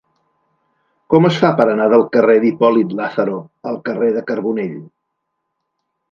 Com es fa per anar del carrer d'Hipòlit Lázaro al carrer de Carbonell?